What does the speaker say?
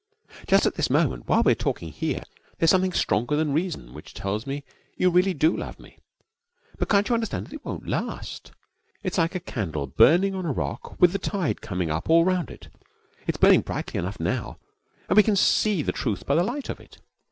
Just at this moment, while we're talking here, there's something stronger than reason which tells me you really do love me. But can't you understand that that won't last? It's like a candle burning on a rock with the tide coming up all round it. It's burning brightly enough now, and we can see the truth by the light of it.